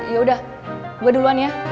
ya udah gue duluan ya